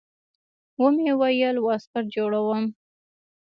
ومې ويل واسکټ جوړوم.